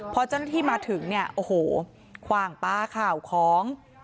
พอเจ้าหน้าที่มาถึงเนี่ยโอ้โหคว่างปลาข่าวของ